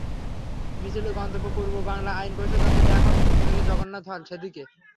মিছিলের গন্তব্য পূর্ব বাংলা আইন পরিষদ, অর্থাৎ এখন যেখানে জগন্নাথ হল, সেদিকে।